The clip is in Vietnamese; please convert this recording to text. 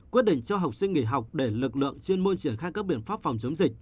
quyết định cho học sinh nghỉ học để lực lượng chuyên môn triển khai các biện pháp phòng chống dịch